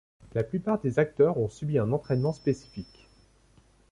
La plupart des acteurs ont subi un entraînement spécifique.